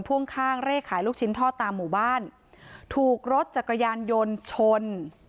พ่วงข้างเลขขายลูกชิ้นทอดตามหมู่บ้านถูกรถจักรยานยนต์ชน